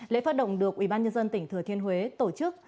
lễ phát động được ủy ban nhân dân tỉnh thừa thiên huế tổ chức